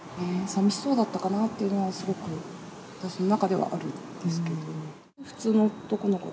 さみしそうだったかなっていうのは、すごく私の中ではあるんですけど。